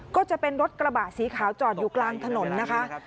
ก็จะเป็นรถกระบะสีขาวจอดอยู่กลางถนนนะคะ